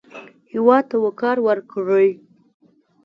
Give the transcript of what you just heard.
هېواد ته وقار ورکړئ